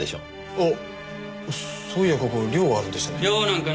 あっそういやここ寮あるんでしたよね。